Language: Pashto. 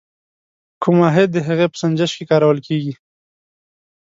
کوم واحد د هغې په سنجش کې کارول کیږي؟